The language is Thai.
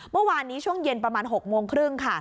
เมื่อวานนี้ช่วงเย็นประมาณ๖๓๐จริง